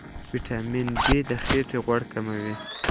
ویټامین ډي د خېټې غوړ کموي.